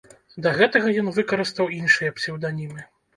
Да гэтага ён выкарыстаў іншыя псеўданімы.